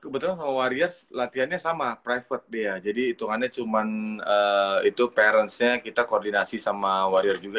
betul sama warriors latihannya sama private dia jadi itungannya cuma itu parentsnya kita koordinasi sama warriors juga